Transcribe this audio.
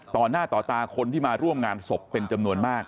ต่อหน้าต่อตาคนที่มาร่วมงานศพเป็นจำนวนมาก